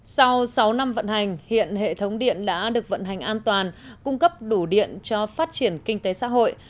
sau sáu năm vận hành hiện hệ thống điện đã được vận hành an toàn cung cấp đủ điện cho phát triển kinh tế xã hội